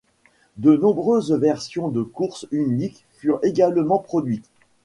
De nombreuses versions de course uniques furent également produites.